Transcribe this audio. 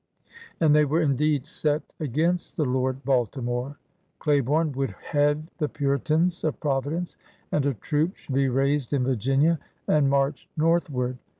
And they were indeed set against the Lord Baltimore. Claiborne would head the Puritans of Providence; and a troop should be raised in Virginia and march northward.